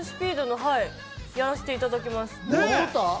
はい、やらせていただきます。